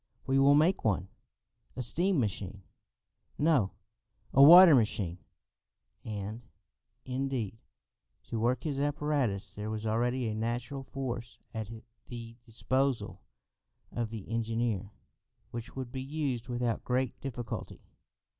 "We will make one." "A steam machine?" "No, a water machine." And, indeed, to work his apparatus there was already a natural force at the disposal of the engineer which could be used without great difficulty.